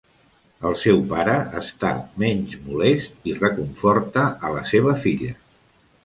El seu pare està menys molest i reconforta a la seva filla.